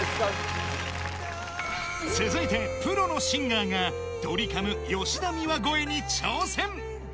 続いてプロのシンガーがドリカム・吉田美和超えに挑戦